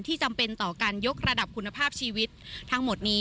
จำเป็นต่อการยกระดับคุณภาพชีวิตทั้งหมดนี้